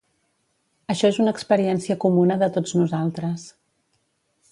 Això és una experiència comuna de tots nosaltres.